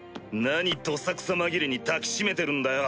何どさくさ紛れに抱き締めてるんだよ！